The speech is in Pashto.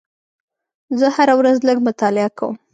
زه هره ورځ لږ مطالعه کوم.